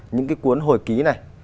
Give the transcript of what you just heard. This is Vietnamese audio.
những cái cuốn hồi ký này